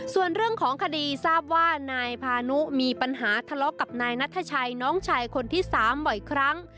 ส่วนเรื่องของคดีทราบว่านายพานุมีปัญหาทะเลาะกับนายนัทชัยน้องชายคนที่๓บ่อยครั้ง